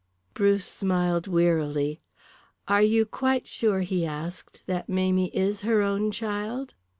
Bruce smiled wearily. "Are you quite sure," he asked, "that Mamie is her own child?"